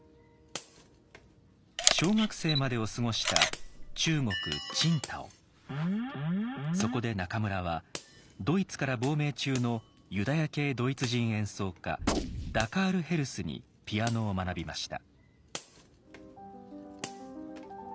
小学生までを過ごしたそこで中村はドイツから亡命中のユダヤ系ドイツ人演奏家ダ・カール・ヘルスにピアノを学びました。